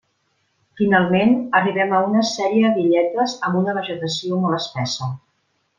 Finalment, arribem a una sèrie d'illetes amb una vegetació molt espessa.